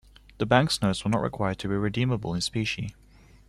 The Bank's notes were not required to be redeemable in specie.